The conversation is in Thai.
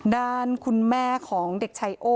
ด้านคุณแม่ของเด็กชายโอ้